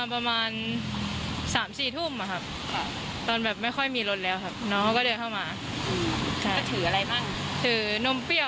ใช่ครับเดินบนแล้วก็ออกมาขึ้นรถไปเลย